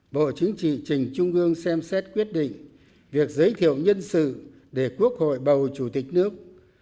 bộ chính trị trình trung ương xem xét quyết định việc giới thiệu nhân sự để quốc hội bầu chủ tịch nước